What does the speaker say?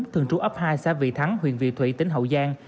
thường trú ấp hai xa vị thắng huyện vị thụy tỉnh hậu giang